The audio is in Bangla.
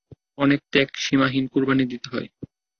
অনেক ত্যাগ, সীমাহীন কুরবানী দিতে হয়।